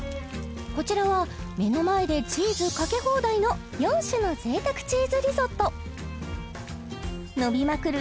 こちらは目の前でチーズかけ放題の４種の贅沢チーズリゾット伸びまくる